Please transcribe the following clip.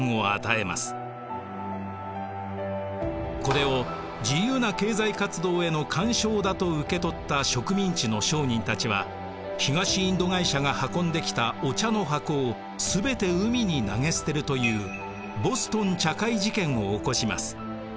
これを自由な経済活動への干渉だと受け取った植民地の商人たちは東インド会社が運んできたお茶の箱を全て海に投げ捨てるというボストン茶会事件を起こします。